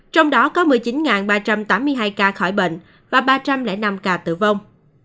trong đó có một mươi chín ba trăm tám mươi hai ca khỏi bệnh và ba trăm linh năm ca tử vong